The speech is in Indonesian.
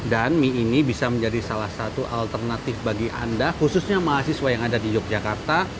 dan mie ini bisa menjadi salah satu alternatif bagi anda khususnya mahasiswa yang ada di yogyakarta